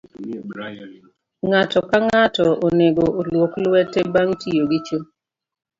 Ng'ato ka ng'ato onego olwok lwete bang' tiyo gi cho.